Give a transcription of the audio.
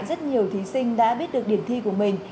rất nhiều thí sinh đã biết được điểm thi của mình